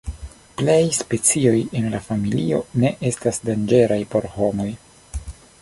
Plej specioj en la familio ne estas danĝeraj por homoj.